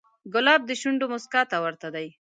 ګلاب د شونډو موسکا ته ورته دی.